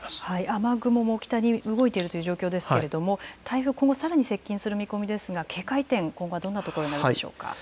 雨雲も北に動いている状況ですが台風今後、さらに接近する見込みですが警戒点はどんなところになりますか。